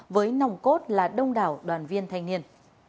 với nòng cốt là đông đảo đoàn viên thanh niên